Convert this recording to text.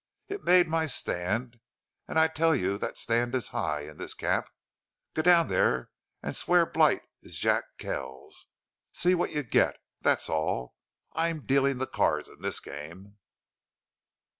It made my stand, and I tell you that stand is high in this camp. Go down there and swear Blight is Jack Kells! See what you get!... That's all.... I'm dealing the cards in this game!"